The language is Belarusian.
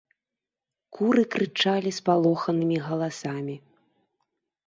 Куры крычалі спалоханымі галасамі.